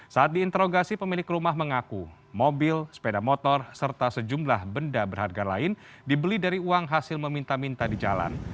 saat diinterogasi pemilik rumah mengaku mobil sepeda motor serta sejumlah benda berharga lain dibeli dari uang hasil meminta minta di jalan